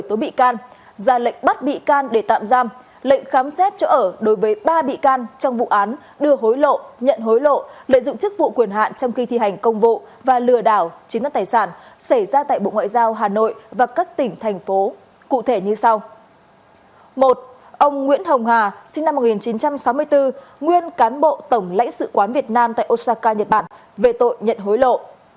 một ông nguyễn hồng hà sinh năm một nghìn chín trăm sáu mươi bốn nguyên cán bộ tổng lãnh sự quán việt nam tại osaka nhật bản về tội nhận hối lộ